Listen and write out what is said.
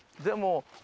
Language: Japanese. でも。